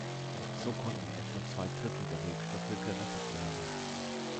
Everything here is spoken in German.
So konnten etwa zwei Drittel der Rebstöcke gerettet werden.